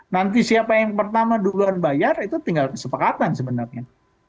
nanti siapa yang pertama duluan bayar itu tinggal kesepakatan sebenarnya